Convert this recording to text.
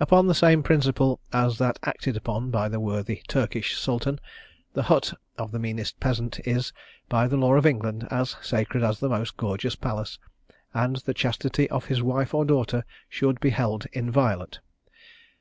Upon the same principle as that acted upon by the worthy Turkish sultan, the hut of the meanest peasant is, by the law of England, as sacred as the most gorgeous palace, and the chastity of his wife or daughter should be held inviolate.